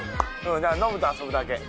だからノブと遊ぶだけ。